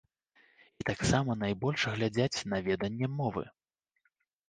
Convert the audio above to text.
І таксама найбольш глядзяць на веданне мовы.